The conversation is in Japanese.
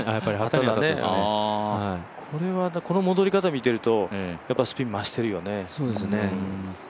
この戻り方見ているとスピン、増しているよね。